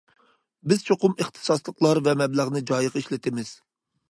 بىز چوقۇم ئىختىساسلىقلار ۋە مەبلەغنى جايىغا ئىشلىتىمىز.